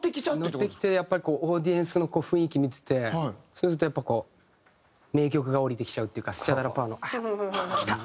ッてきてやっぱりオーディエンスの雰囲気見ててそうするとやっぱこう名曲が降りてきちゃうっていうかスチャダラパーのあっきた！